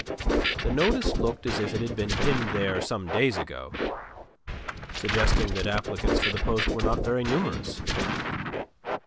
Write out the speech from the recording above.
The notice looked as if it had been pinned there some days ago, suggesting that applicants for the post were not very numerous.